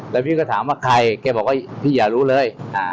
แล้วพี่ก็ถามว่าใครแกบอกว่าพี่อย่ารู้เลย